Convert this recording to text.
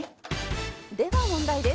「では問題です」